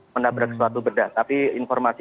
menabrak suatu bedah tapi informasi